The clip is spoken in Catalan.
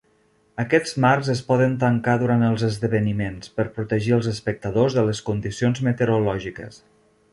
Aquests marcs es poden tancar durant els esdeveniments, per protegir els espectadors de les condicions meteorològiques.